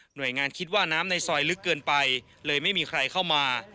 โดยงานคิดว่าน้ำในซอยลึกเกินไปเลยไม่มีใครเข้ามา